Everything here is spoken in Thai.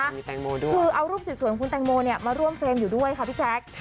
มีแตงโมด้วยคือเอารูปสวยของคุณแตงโมเนี่ยมาร่วมเฟรมอยู่ด้วยค่ะพี่แจ๊ค